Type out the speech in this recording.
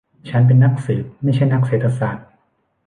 ฉันเป็นนักสืบ ไม่ใช่นักเศรษฐศาสตร์